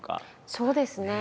そうですね。